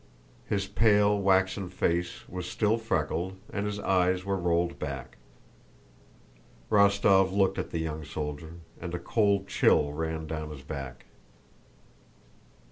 His pale waxen face was still freckled and his eyes were rolled back. Rostóv looked at the young soldier and a cold chill ran down his back.